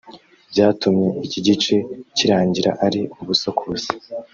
byatumye iki gice kirangira ari ubusa ku busa